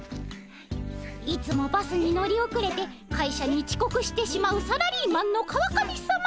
いつもバスに乗り遅れて会社にちこくしてしまうサラリーマンの川上さま。